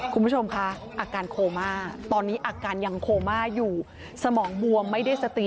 คุณผู้ชมคะอาการโคม่าตอนนี้อาการยังโคม่าอยู่สมองบวมไม่ได้สติ